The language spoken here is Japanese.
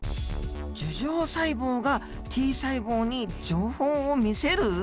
樹状細胞がＴ細胞に情報を見せる？